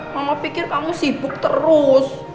mama pikir kamu sibuk terus